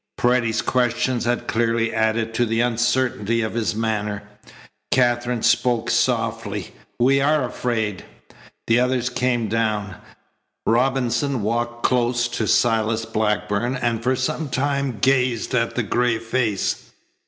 Paredes's questions had clearly added to the uncertainty of his manner. Katherine spoke softly: "We are afraid." The others came down. Robinson walked close to Silas Blackburn and for some time gazed at the gray face.